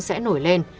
sẽ nổi lên